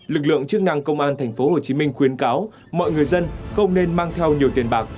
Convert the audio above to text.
lực lượng chức năng công an tp hcm khuyến cáo mọi người dân không nên mang theo nhiều tiền bạc